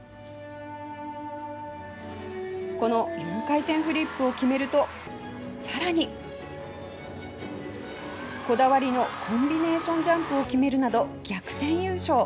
この４回転フリップを決めるとこだわりのコンビネーションジャンプを決めるなど、逆転優勝。